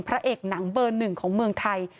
พระเอกหนังเบอร์หนึ่งของเมืองไทย